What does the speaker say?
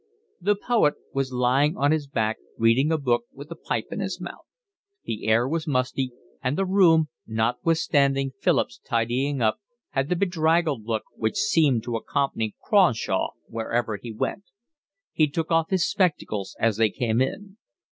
The poet was lying on his back, reading a book, with a pipe in his mouth. The air was musty; and the room, notwithstanding Philip's tidying up, had the bedraggled look which seemed to accompany Cronshaw wherever he went. He took off his spectacles as they came in.